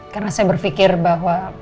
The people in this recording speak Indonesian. karena saya berpikir bahwa